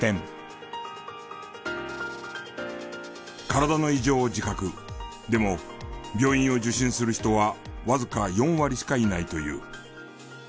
体の異常を自覚でも病院を受診する人はわずか４割しかいないという。